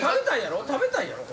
食べたいんやろ？